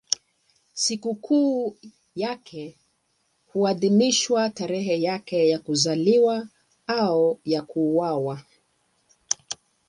Sikukuu yake huadhimishwa tarehe yake ya kuzaliwa au ya kuuawa.